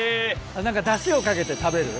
何かダシをかけて食べる。